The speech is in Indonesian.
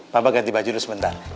bapak ganti baju dulu sebentar